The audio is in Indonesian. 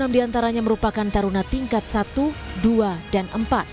enam diantaranya merupakan taruna tingkat satu dua dan empat